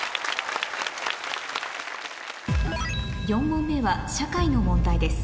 ４問目はの問題です